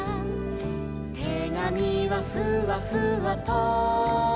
「てがみはふわふわと」